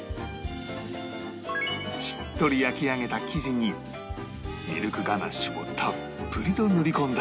しっとり焼き上げた生地にミルクガナッシュをたっぷりと塗り込んだら